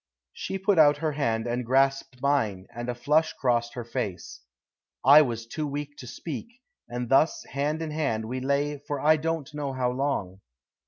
She put out her hand and grasped mine, and a flush crossed her face. I was too weak to speak, and thus hand in hand we lay for I don't know how long.